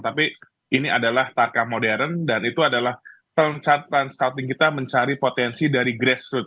tapi ini adalah tarkam modern dan itu adalah talent scouting kita mencari potensi dari grassroots